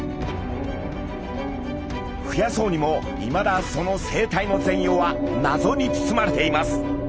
増やそうにもいまだその生態の全容は謎に包まれています。